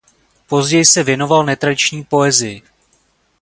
Později se věnoval netradiční poezii.